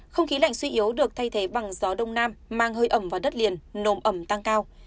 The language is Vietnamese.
không khí lạnh suy yếu được thay thế bằng gió đông nam mang hơi ẩm vào đất liền nồm ẩm tăng cao